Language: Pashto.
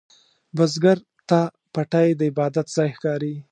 بزګر ته پټی د عبادت ځای ښکاري